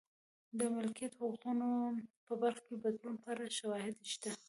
د مالکیت حقونو په برخه کې بدلون په اړه شواهد شته.